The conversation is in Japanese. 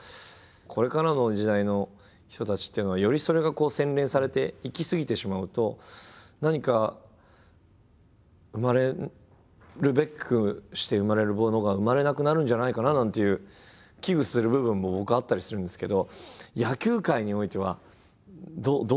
これからの時代の人たちっていうのはよりそれが洗練されていき過ぎてしまうと何か生まれるべくして生まれるものが生まれなくなるんじゃないかななんていう危惧する部分も僕はあったりするんですけど野球界においてはどうお考えですか？